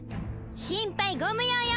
心配ご無用よ！